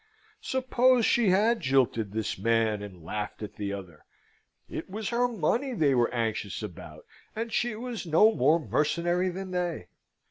Suppose she had jilted this man, and laughed at the other? It was her money they were anxious about, and she was no more mercenary than they.